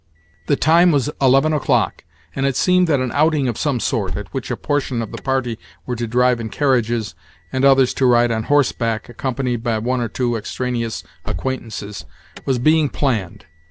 The time was eleven o'clock, and it seemed that an outing of some sort (at which a portion of the party were to drive in carriages, and others to ride on horseback, accompanied by one or two extraneous acquaintances) was being planned.